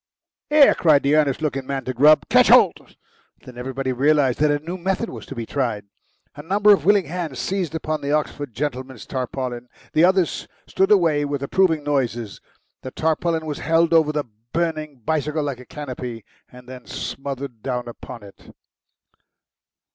"Here!" cried the earnest looking man to Grubb. "Ketch holt!" Then everybody realised that a new method was to be tried. A number of willing hands seized upon the Oxford gentleman's tarpaulin. The others stood away with approving noises. The tarpaulin was held over the burning bicycle like a canopy, and then smothered down upon it.